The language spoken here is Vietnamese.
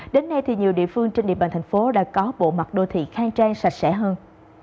đến nay thì nhiều địa phương trên địa bàn thành phố đã có bộ mặt đô thị khang trang sạch sẽ hơn